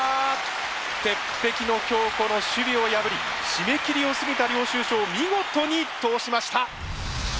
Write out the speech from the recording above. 鉄壁の強子の守備を破りしめ切りを過ぎた領収書を見事に通しました！